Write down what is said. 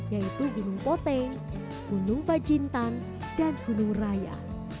yaitu gunung poteng gunung bacintan dan gunung raya